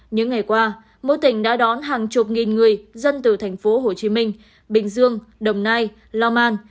những ngày qua mỗi tỉnh đã đón hàng chục nghìn người dân từ thành phố hồ chí minh bình dương đồng nai lo an